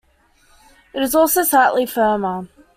It is also slightly firmer.